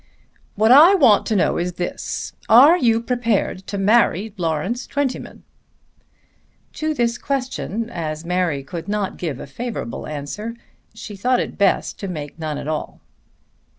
"What I want to know is this; are you prepared to marry Lawrence Twentyman?" To this question, as Mary could not give a favourable answer, she thought it best to make none at all.